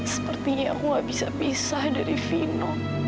seperti aku gak bisa bisa dari fino